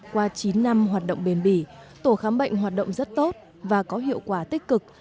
qua chín năm hoạt động bền bỉ tổ khám bệnh hoạt động rất tốt và có hiệu quả tích cực